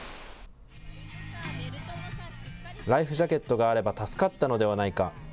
ライフジャケットがあれば助かったのではないか。